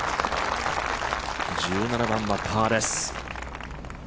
１７番はパーです。